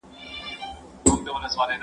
چي وژلي یې بېځایه انسانان وه